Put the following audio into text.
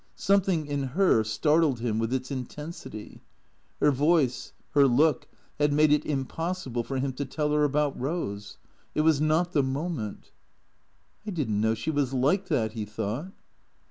Something in her startled him with its intensity. Her voice, her look, had made it impossible for him to tell her about Eose. It was not the moment. " I did n't know she was like that," he thought.